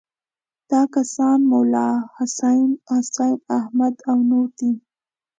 دا کسان مولناحسن، حسین احمد او نور دي.